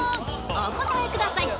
お答えください！